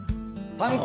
パン粉。